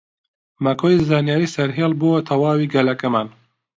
مەکۆی زانیاری سەرهێڵ بۆ تەواوی گەلەکەمان